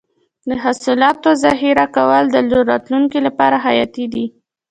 د حاصلاتو ذخیره کول د راتلونکي لپاره حیاتي دي.